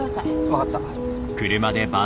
分かった。